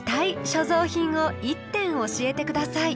所蔵品を１点おしえてください」。